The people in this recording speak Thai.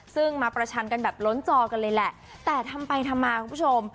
ซึ่งมาประชันกันแบบล้นจอกันเลยแหละแต่ทำไปทำมาคุณผู้ชม